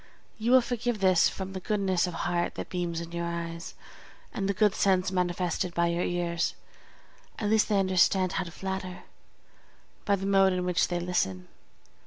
You will forgive this from the goodness of heart that beams in your eyes, and the good sense manifested by your ears; at least they understand how to flatter, by the mode in which they listen.